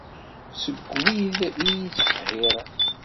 Seg wid i iyi-ittqehhiren!